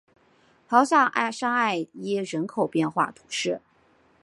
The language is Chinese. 鲍下沙艾耶人口变化图示